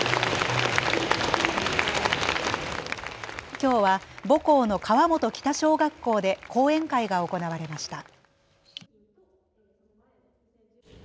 きょうは母校の川本北小学校で講演会が行われました。